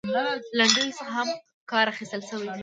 لنډيو څخه هم کار اخيستل شوى دى .